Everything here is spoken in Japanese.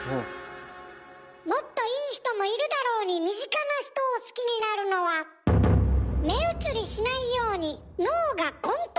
もっといい人もいるだろうに身近な人を好きになるのは目移りしないように脳がコントロールしているから。